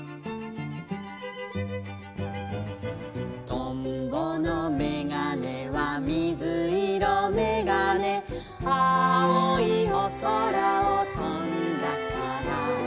「とんぼのめがねはみずいろめがね」「あおいおそらをとんだから」